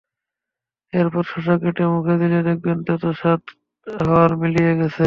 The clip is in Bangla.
এরপর শসা কেটে মুখে দিন, দেখবেন তেতো স্বাদ হাওয়ায় মিলিয়ে গেছে।